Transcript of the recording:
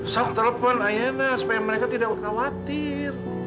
sok telepon ayana supaya mereka tidak khawatir